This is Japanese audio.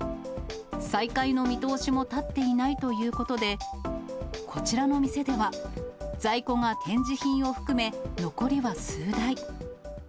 再開の見通しも立っていないということで、こちらの店では、在庫が展示品を含め残りは数台。